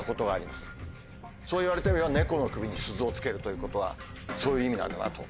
そういわれてみれば「猫の首に鈴を付ける」ということはそういう意味なんだなと。